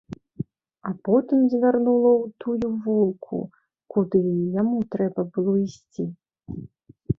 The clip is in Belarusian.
А потым звярнула ў тую вулку, куды і яму трэба было ісці.